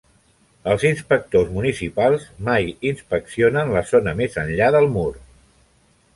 Els inspectors municipals mai inspeccionen la zona més enllà del Mur.